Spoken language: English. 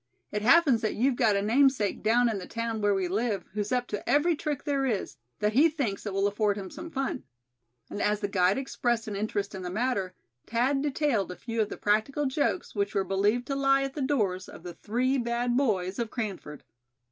"It happens that you've got a namesake down in the town where we live, who's up to every trick there is, that he thinks will afford him some fun;" and as the guide expressed an interest in the matter, Thad detailed a few of the practical jokes which were believed to lie at the doors of the three bad boys of Cranford.